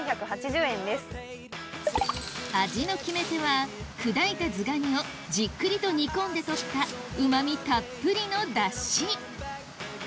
味の決め手は砕いたズガニをじっくりと煮込んで取ったうま味たっぷりの出汁